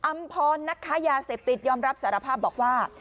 อำพรนักค้ายาเสพติดยอมรับสารภาพบอกว่า